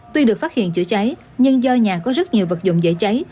tuy được phát hiện chữa cháy nhưng do nhà có rất nhiều vật dụng dễ cháy